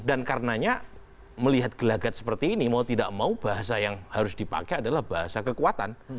dan karenanya melihat gelagat seperti ini mau tidak mau bahasa yang harus dipakai adalah bahasa kekuatan